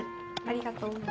ありがとう。